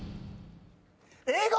英語！